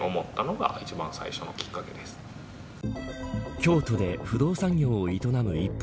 京都で不動産業を営む一方